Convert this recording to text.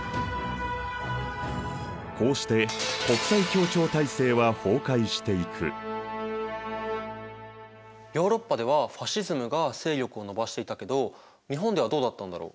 こうしてヨーロッパではファシズムが勢力を伸ばしていたけど日本ではどうだったんだろう？